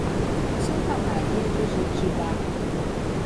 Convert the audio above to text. Santa Maria de Jetibá